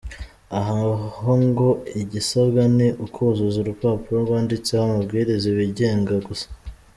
Aha ho ngo igisabwa ni ukuzuza urupapuro rwanditseho amabwiriza abigenga gusa.